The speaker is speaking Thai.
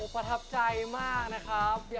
ประทับใจมากนะครับ